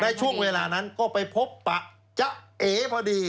ช่วงเวลานั้นก็ไปพบปะจ๊ะเอพอดี